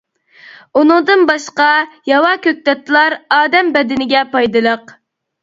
ئۇنىڭدىن باشقا، ياۋا كۆكتاتلار ئادەم بەدىنىگە پايدىلىق.